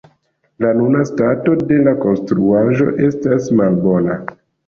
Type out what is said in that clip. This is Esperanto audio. La nuna stato de la konstruaĵo estas malbona.